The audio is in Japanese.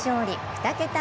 ２桁